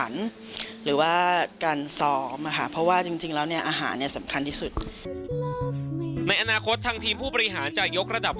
ในอนาคตทางทีมผู้บริหารจะยกระดับ